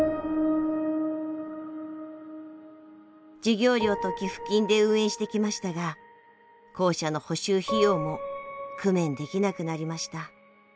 授業料と寄付金で運営してきましたが校舎の補修費用も工面できなくなりました。